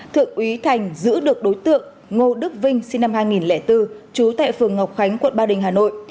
thượng úy thành giữ được đối tượng ngô đức vinh sinh năm hai nghìn bốn trú tại phường ngọc khánh quận ba đình hà nội